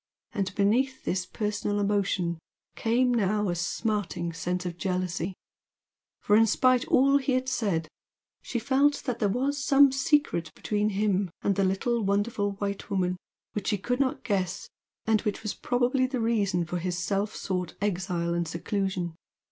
And beneath this personal emotion came now a smarting sense of jealousy, for in spite of all he had said, she felt that there was some secret between him and "the little wonderful white woman," which she could not guess and which was probably the reason of his self sought exile and seclusion.